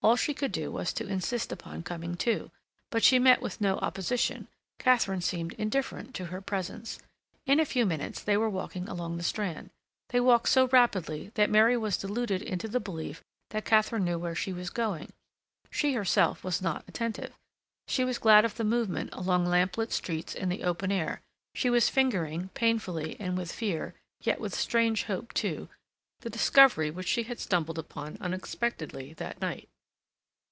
All she could do was to insist upon coming too, but she met with no opposition; Katharine seemed indifferent to her presence. In a few minutes they were walking along the Strand. They walked so rapidly that Mary was deluded into the belief that Katharine knew where she was going. She herself was not attentive. She was glad of the movement along lamp lit streets in the open air. She was fingering, painfully and with fear, yet with strange hope, too, the discovery which she had stumbled upon unexpectedly that night.